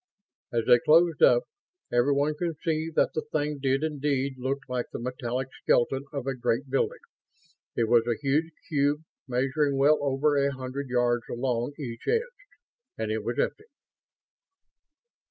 As they closed up, everyone could see that the thing did indeed look like the metallic skeleton of a great building. It was a huge cube, measuring well over a hundred yards along each edge. And it was empty.